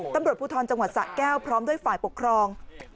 ตำรวจภูทรจังหวัดสะแก้วพร้อมด้วยฝ่ายปกครอง